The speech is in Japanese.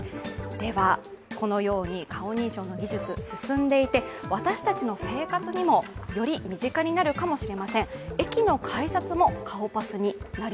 このように顔認証の技術、進んでいて私たちの生活にもより身近になるかもしれません。